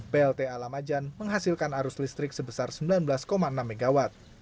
plta lamajan menghasilkan arus listrik sebesar sembilan belas enam mw